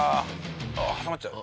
あっ挟まっちゃう。